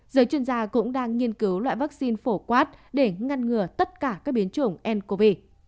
giới chuyên gia cũng đang nghiên cứu loại vaccine phổ quát để ngăn ngừa tất cả các biến chủng ncov